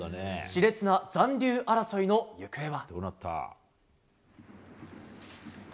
熾烈な残留争いの行方は。